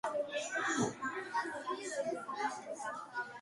ცენტრალურ ნაწილში რელიეფი ზღვის დონიდან სულ აწეულია მხოლოდ რამდენიმე ათეული მეტრით.